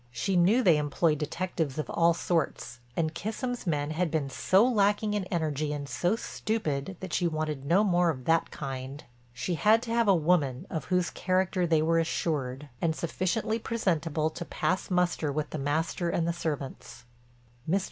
She knew they employed detectives of all sorts and Kissam's men had been so lacking in energy and so stupid that she wanted no more of that kind. She had to have a woman of whose character they were assured, and sufficiently presentable to pass muster with the master and the servants. Mr.